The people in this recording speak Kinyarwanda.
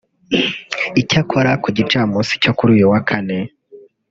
Icyakora ku gicamunsi cyo kuri uyu wa Kane